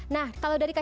nah kalau dari kaca